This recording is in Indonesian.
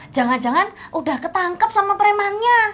jangan jangan udah ketangkep sama premannya